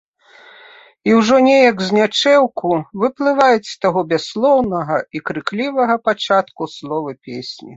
І ўжо неяк знячэўку выплываюць з таго бясслоўнага і крыклівага пачатку словы песні.